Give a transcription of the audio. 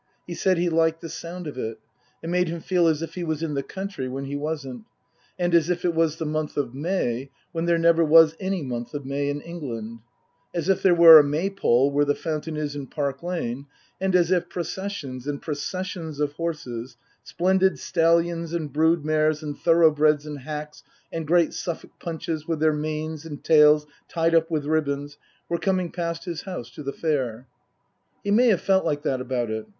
He said he liked the sound of it ; it made him feel as if he was in the country when he wasn't, and as if it was the month of May, when there never was any month of May in England ; as if there were a maypole where the fountain is in Park Lane ; and as if processions, and processions of horses, splendid stallions and brood mares and thoroughbreds and hacks and great Suffolk punches with their manes and tails tied up with ribbons were coming past his house to the fai$ He may have felt like that about it.